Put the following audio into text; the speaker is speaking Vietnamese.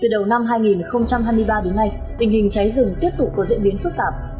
từ đầu năm hai nghìn hai mươi ba đến nay tình hình cháy rừng tiếp tục có diễn biến phức tạp